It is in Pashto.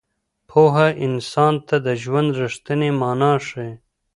پوهه انسان ته د ژوند رښتينې مانا ښيي.